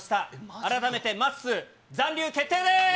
改めてまっすー、残留決定です。